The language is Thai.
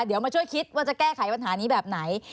เดี๋ยวมาช่วยคิดว่าจะแก้ไขปัญหานี้แบบไหน